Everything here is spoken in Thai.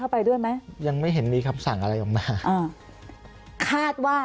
เอาอย่างนี้เดียวส่วนของ